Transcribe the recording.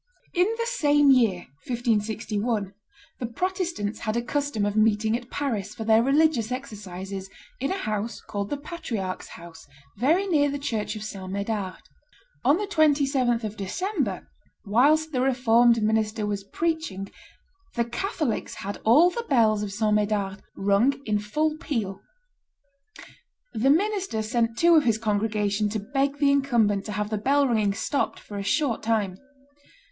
In the same year, 1561, the Protestants had a custom of meeting at Paris, for their religious exercises, in a house called the Patriarch's house, very near the church of St. Medard. On the 27th of December, whilst the Reformed minister was preaching, the Catholics had all the bells of St. Medard rung in full peal. The minister sent two of his congregation to beg the incumbent to have the bell ringing stopped for a short time.